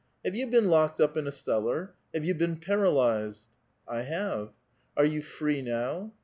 Have you been locked up in a cellar? Have you been paralyzed?" ''I have." '•Are vou free now?"